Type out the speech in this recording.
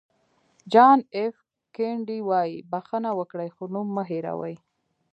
جان اېف کینېډي وایي بښنه وکړئ خو نوم مه هېروئ.